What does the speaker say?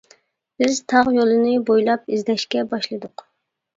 بىز تاغ يولىنى بويلاپ ئىزدەشكە باشلىدۇق.